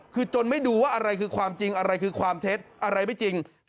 คือจนไม่ดูว่าอะไรคือความจริงอะไรคือความเท็จอะไรไม่จริง